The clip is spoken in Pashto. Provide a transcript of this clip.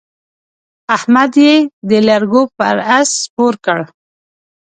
احمد يې د لرګو پر اس سپور کړ.